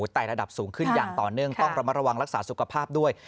แต่ระดับสูงขึ้นอย่างต่อเนื่องต้องระมัดระวังรักษาสุขภาพด้วย